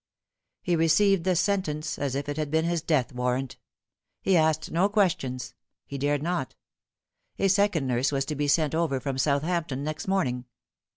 He received the sentence as if it had been his death warrant. He asked no questions. He dared not. A second nurse was to be Bent over from Southampton next morning.